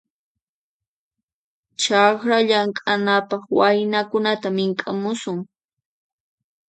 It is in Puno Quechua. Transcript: Chakra llamk'anapaq waynakunata mink'amusun.